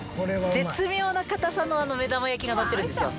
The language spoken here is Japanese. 絶妙な硬さの目玉焼きがのってるんですよ。